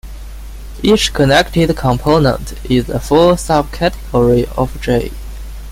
Each connected component is a full subcategory of "J".